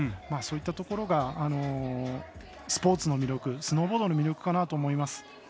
そういったところがスポーツの魅力スノーボードの魅力かなと思います。